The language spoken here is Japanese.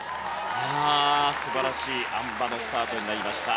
素晴らしいあん馬のスタートになりました。